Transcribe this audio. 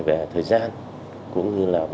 về thời gian cũng như là